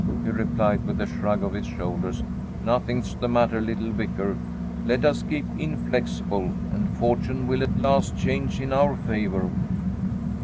he replied, with a shrug of his shoulders. "Nothing's the matter, little Vicar. _Let us keep inflexible, and fortune will at last change in our favor.